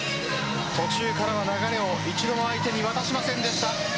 途中からは流れを一度も相手に渡しませんでした。